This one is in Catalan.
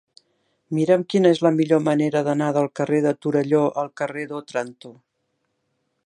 Mira'm quina és la millor manera d'anar del carrer de Torelló al carrer d'Òtranto.